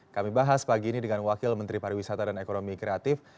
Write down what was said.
kami bahas pagi ini dengan wakil menteri pariwisata dan ekonomi kreatif